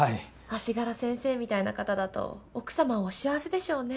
足柄先生みたいな方だと奥様お幸せでしょうね。